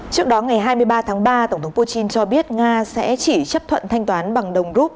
trước đó ngày hai mươi ba tháng ba tổng thống putin cho biết nga sẽ chỉ chấp thuận thanh toán bằng đồng rút